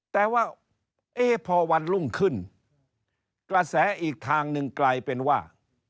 แต่ว่าพอวันรุ่งขึ้นกระแสอีกทางหนึ่งกลายเป็นว่า